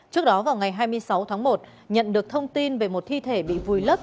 trước đó vào ngày hai mươi sáu tháng một nhận được thông tin về một thi thể bị vùi lấp